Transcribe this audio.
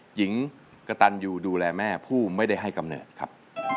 หญิงกระตันอยู่ดูแลแม่ผู้ไม่ได้ให้กำเนิดครับ